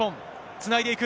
つないでいく。